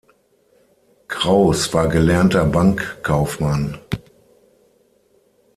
Krauss war gelernter Bankkaufmann.